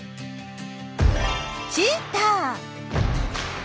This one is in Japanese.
チーター！